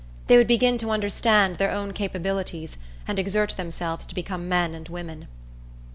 They would begin to understand their own capabilities, and exert themselves to become men and women.